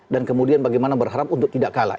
dan kemudian bagaimana berharap untuk tidak kalah